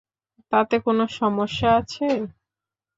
তাতে কোনো সমস্যা আছে?